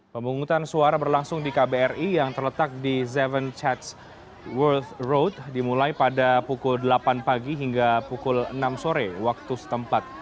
pemungutan suara berlangsung di kbri yang terletak di tujuh chats world road dimulai pada pukul delapan pagi hingga pukul enam sore waktu setempat